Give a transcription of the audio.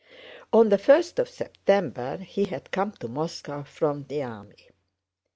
On the first of September he had come to Moscow from the army.